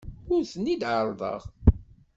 Ur ten-id-ɛerrḍeɣ.